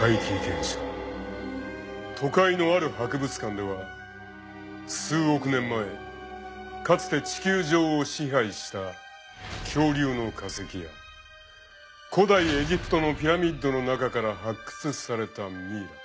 都会のある博物館では数億年前かつて地球上を支配した恐竜の化石や古代エジプトのピラミッドの中から発掘されたミイラ。